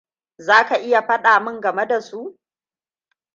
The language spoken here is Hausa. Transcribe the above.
Za ka iya faɗa min game da su?